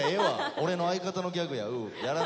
俺の相方のギャグや「ウー」。